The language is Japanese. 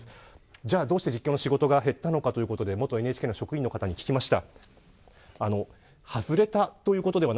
では、どうして実況の仕事が減ったのかということでＮＨＫの職員の方に聞きました。